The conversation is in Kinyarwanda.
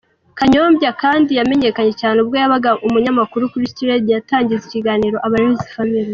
Kanyombya kandi yamenyekanye cyane ubwo yabaga umunyamakuru kuri City Radio atangiza ikiganiro "Abarezi Family".